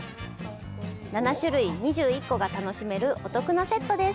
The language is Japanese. ７種類２１個が楽しめる、お得なセットです。